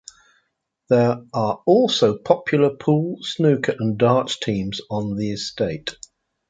There are also popular pool, snooker and darts teams on the estate.